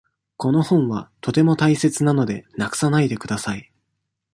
この本はとても大切なので、なくさないでください。